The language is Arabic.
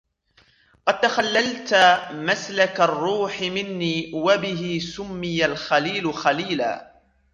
قَدْ تَخَلَّلْتَ مَسْلَكَ الرُّوحِ مِنِّي وَبِهِ سُمِّيَ الْخَلِيلُ خَلِيلًا